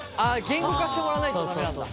言語化してもらわないと駄目なんだ。